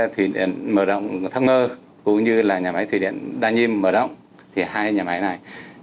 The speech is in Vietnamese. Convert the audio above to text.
thủy điện mở động thắp ngơ cũng như là nhà máy thủy điện đa nhiêm mở động thì hai nhà máy này